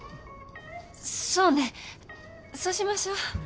そうねそうしましょう。